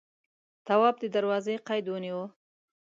تواب د دروازې قید ونيو.